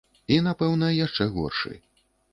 І, напэўна, яшчэ горшы.